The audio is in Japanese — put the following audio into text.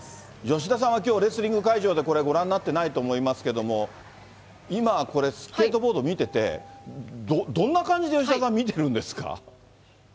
吉田さんはこれ、レスリング会場でこれご覧になってないと思いますけれども、今これ、スケートボード見てて、どんな感じで吉田さん見てるんですか？